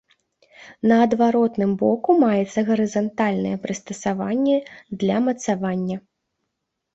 На адваротным боку маецца гарызантальнае прыстасаванне для мацавання.